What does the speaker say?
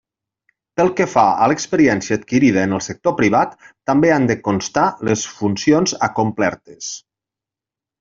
Pel que fa a l'experiència adquirida en el sector privat, també han de constar les funcions acomplertes.